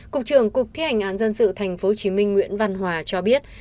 cục trưởng cục thi hành án dân sự tp hcm nguyễn văn hòa cho biết